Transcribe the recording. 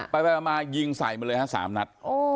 ไปมายิงใส่มาเลยฮะ๓นัด